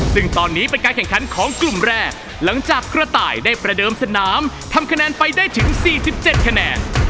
ซึ่งตอนนี้เป็นการแข่งขันของกลุ่มแรกหลังจากกระต่ายได้ประเดิมสนามทำคะแนนไปได้ถึง๔๗คะแนน